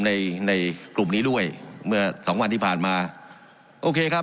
ในในกลุ่มนี้ด้วยเมื่อสองวันที่ผ่านมาโอเคครับ